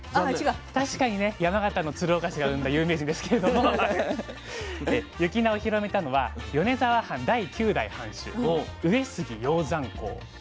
確かにね山形の鶴岡市が生んだ有名人ですけれども雪菜を広めたのは米沢藩第９代藩主上杉鷹山公。